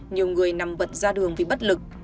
nhiều người nằm bận ra đường vì bất lực